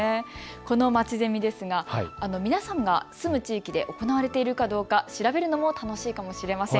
このまちゼミですが皆さんが住む地域で行われているかどうか調べるのも楽しいかもしれません。